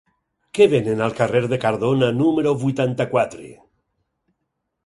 Què venen al carrer de Cardona número vuitanta-quatre?